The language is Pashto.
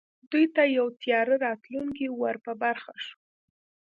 دوی ته یو تیاره راتلونکی ور په برخه شو